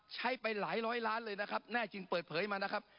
ใช้ไปหลายร้อยล้านเลยนะครับแน่จริงเปิดเผยมานะครับ